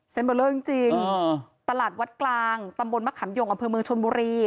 เบอร์เลอร์จริงตลาดวัดกลางตำบลมะขำยงอำเภอเมืองชนบุรี